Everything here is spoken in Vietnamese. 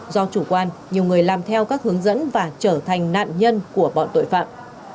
do chủ quan nhiều người làm theo các hướng dẫn và trở thành nạn nhân của bọn tội phạm